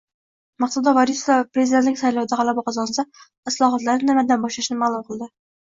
Maqsuda Vorisova Prezidentlik saylovida g‘alaba qozonsa, islohotlarni nimadan boshlashini ma’lum qildi